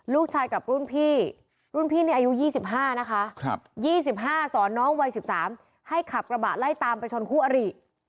ลูกชายกับรุ่นพี่รุ่นพี่นี่อายุ๒๕นะคะ๒๕สอนน้องวัย๑๓ให้ขับกระบะไล่ตามไปชนคู่อริ